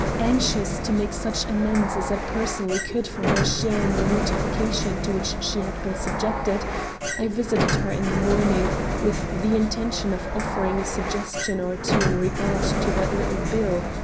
Anxious to make such amends as I personally could for my share in the mortification to which she had been subjected, I visited her in the morning, with the intention of offering a suggestion or two in regard to that little bill.